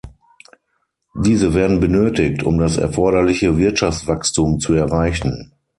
Diese werden benötigt, um das erforderliche Wirtschaftswachstum zu erreichen.